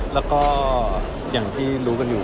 หรือสร้างชีวิตจุดหมายใหญ่